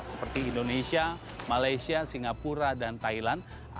seperti indonesia malaysia singapura dan thailand